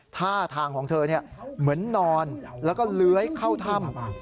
ท่าทางของเธอเหมือนนอนแล้วก็เลื้อยเข้าถ้ำ